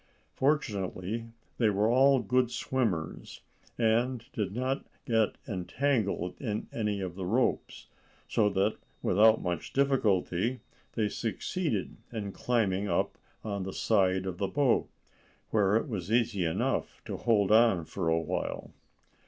Fortunately they were all good swimmers, and did not get entangled in any of the ropes, so that, without much difficulty, they succeeded in climbing up on the side of the boat, where it was easy enough to hold on for a while.